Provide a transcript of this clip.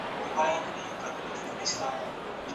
د دولت د انحطاط دوره د نورو پړاوونو په پرتله د څيړنې وړ ده.